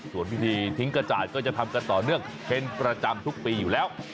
ส่วนพิธีทิ้งกระจาดก็จะทำกันต่อเนื่องเป็นประจำทุกปีอยู่แล้ว